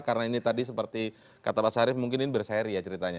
karena ini tadi seperti kata pak sarif mungkin ini berseri ya ceritanya